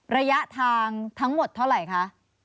ระยะทางทั้งหมดเท่าไหร่คะ